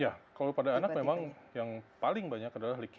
ya kalau pada anak memang yang paling banyak adalah leuke